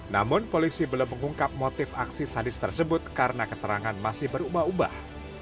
namun polisi belum mengungkap motif aksi sadis tersebut karena keterangan masih berubah ubah